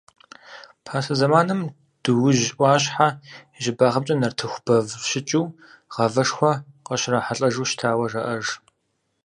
Пасэ зэманым Дуужь ӏуащхьэ и щӏыбагъымкӏэ нартыху бэв щыкӏыу, гъавэшхуэ къыщрахьэлӏэжу щытауэ жаӏэж.